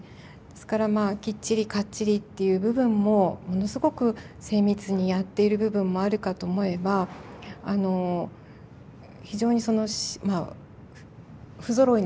ですからまあきっちりかっちりっていう部分もものすごく精密にやっている部分もあるかと思えばあの非常にその不ぞろいな部分。